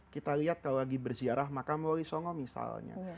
kita lihat kalau lagi bersiarah makam wali songo misalnya